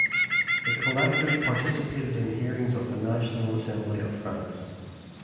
The collective participated in hearings of the National Assembly of France.